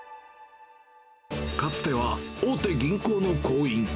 かつては大手銀行の行員。